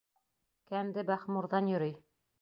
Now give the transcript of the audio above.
Кәнде бахмурҙан йөрөй.